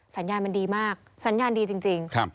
สัญญาณมันดีมากสัญญาณดีจริง